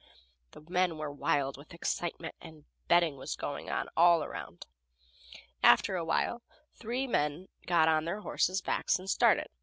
The men were wild with excitement, and betting was going on all around. After a while three men got on their horses' backs and started.